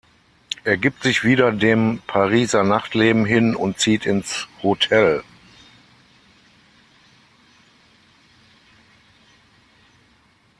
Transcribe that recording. Er gibt sich wieder dem Pariser Nachtleben hin und zieht ins Hotel.